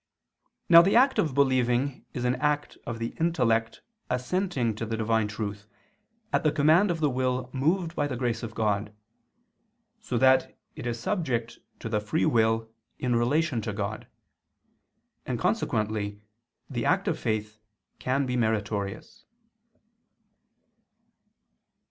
Now the act of believing is an act of the intellect assenting to the Divine truth at the command of the will moved by the grace of God, so that it is subject to the free will in relation to God; and consequently the act of faith can be meritorious.